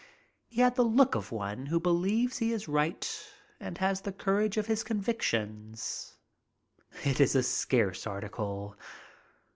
He had the look of one who believes he is right and has the courage of his convictions. It is a scarce article.